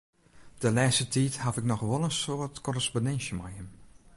De lêste tiid haw ik noch wol in soad korrespondinsje mei him.